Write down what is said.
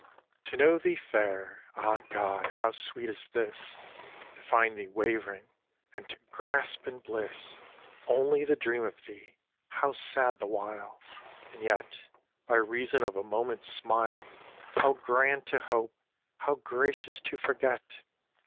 x. To know thee fair, ah God! how sweet is this; To find thee wavering, and to grasp in bliss Only the dream of thee, how sad the while! And yet, by reason of a moment's smile, How grand to hope, how gracious to forget!